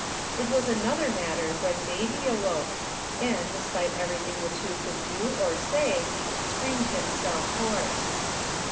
It was another matter when Baby awoke, and, despite everything the two could do or say, screamed himself hoarse.